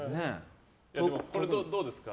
これ、どうですか？